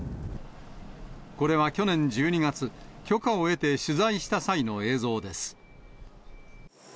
これは去年１２月、許可を得て取材した際の映像です。